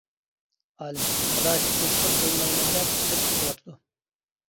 -ئالىم، ئاداش جۇشقۇن ئوينىمايمەن دەپ چىقىپ كېتىۋاتىدۇ.